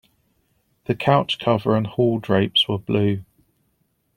The couch cover and hall drapes were blue.